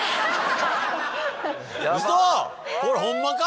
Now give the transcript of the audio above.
ウソ⁉これホンマか？